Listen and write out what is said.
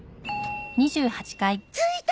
着いた！